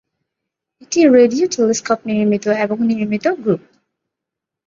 এটি radio telescope নির্মিত এবং নির্মিত গ্রুপ।